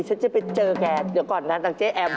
ฉันจะไปเจอแกเดี๋ยวก่อนนะทางเจ๊แอม